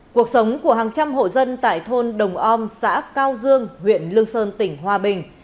cuộc sống của hàng trăm hộ dân tại thôn đồng om xã cao dương huyện lương sơn tỉnh hòa bình